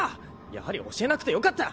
やはり教えなくてよかった。